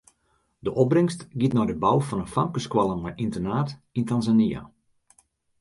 De opbringst giet nei de bou fan in famkesskoalle mei ynternaat yn Tanzania.